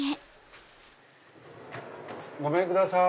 ごめんください。